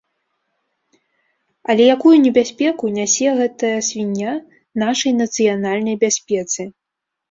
Але якую небяспеку нясе гэтая свіння нашай нацыянальнай бяспецы?